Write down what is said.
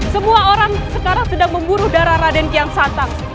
semua orang sekarang sedang memburu darah raden keansatan